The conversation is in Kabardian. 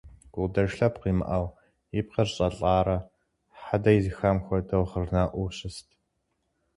Гукъыдэж лъэпкъ имыӀэу, и пкъыр щӀэлӀарэ хьэдэ изыхам хуэдэу гъырнэӀуу щыст.